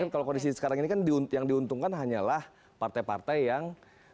kalau kondisi sekarang ini kan yang diuntungkan hanyalah partai partai yang